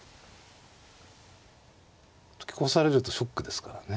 突き越されるとショックですからね。